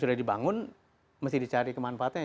sudah dibangun mesti dicari kemanfaatannya